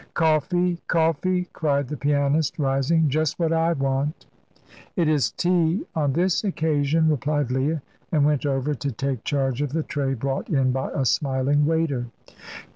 "Coffee! Coffee!" cried the pianist, rising. "Just what I want." "It is tea on this occasion," replied Leah, and went over to take charge of the tray brought in by a smiling waiter.